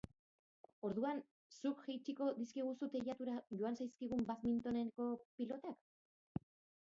Orduan, zuk jaitsiko dizkiguzu teilatura joan zaizkigun badmintoneko pilotak.